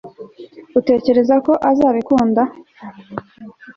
utekereza ko azabikunda